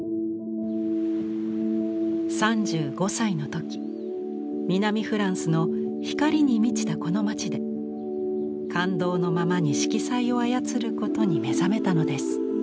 ３５歳の時南フランスの光に満ちたこの街で感動のままに色彩を操ることに目覚めたのです。